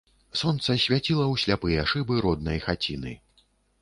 Сонца свяціла ў сляпыя шыбы роднай хаціны.